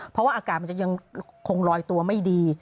เพราะว่าอากาศมันจะยังคงลอยตัวไม่ดี